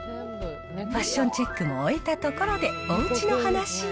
ファッションチェックも終えたところで、おうちの話へ。